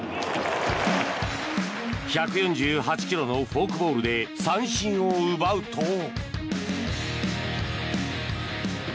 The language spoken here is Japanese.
１４８ｋｍのフォークボールで三振を奪うと。